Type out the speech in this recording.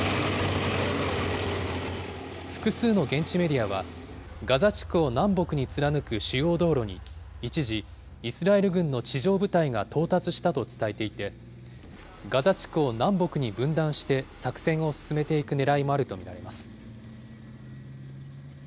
複数の現地メディアは、ガザ地区を南北に貫く主要道路に一時、イスラエル軍の地上部隊が到達したと伝えていて、ガザ地区を南北に分断して作戦を進めていくねらいもあると見られます。